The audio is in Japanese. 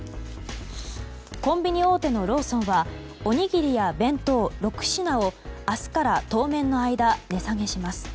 コンビニ大手のローソンはおにぎりや弁当６品を明日から当面の間値下げします。